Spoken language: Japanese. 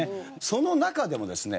その中でもですね